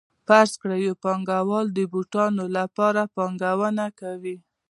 فرض کړئ یو پانګوال د بوټانو لپاره پانګونه کوي